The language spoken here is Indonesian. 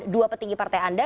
dua petinggi partai anda